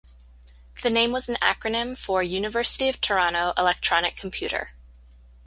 The name was an acronym for "University of Toronto Electronic Computer".